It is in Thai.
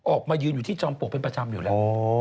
ออกมายืนอยู่ที่จอมปลวกเป็นประจำอยู่แล้ว